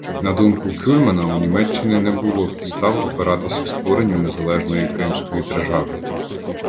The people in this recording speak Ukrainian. На думку Кюльмана, у Німеччини не було підстав опиратися створенню незалежної кримської держави.